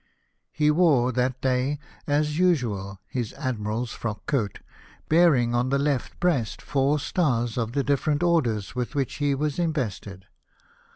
'He wore that day, as usual, his Admiral's frock coat, bearing on the left breast four stars of the different orders with which he was invested.